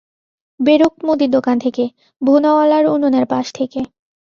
বেরুক মুদির দোকান থেকে, ভুনাওয়ালার উনুনের পাশ থেকে।